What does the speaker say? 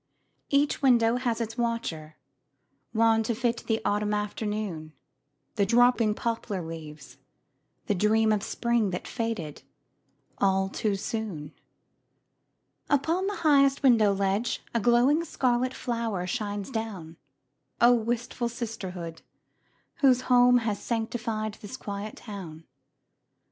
Each window has its watcher wan To fit the autumn afternoon, The dropping poplar leaves, the dream Of spring that faded all too soon. Upon the highest window ledge A glowing scarlet flower shines down. Oh, wistful sisterhood, whose home Has sanctified this quiet town!